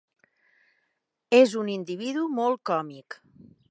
És un individu molt còmic.